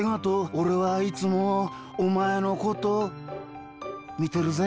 おれはいつもおまえのことみてるぜ。